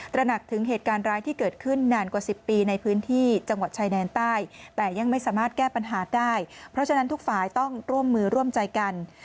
ระหนักถึงเหตุการณ์ร้ายที่เกิดขึ้นนานกว่า๑๐ปีในพื้นที่จังหวัดชายแดนใต้แต่ยังไม่สามารถแก้ปัญหาได้เพราะฉะนั้นทุกฝ่ายต้องร่วมมือร่วมใจกัน